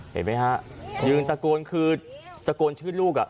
เห็นไหมครับยืนตะโกนคือตะโกนชื่อลูก